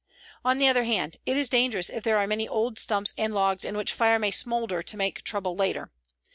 On the other hand, it is dangerous if there are many old stumps and logs in which fire may smoulder to make trouble later.